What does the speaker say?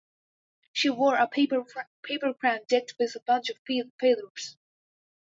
She wore a paper crown decked with a bunch of feathers.